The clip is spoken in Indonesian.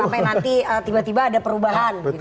sampai nanti tiba tiba ada perubahan gitu